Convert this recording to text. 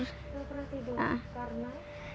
nggak pernah tidur karena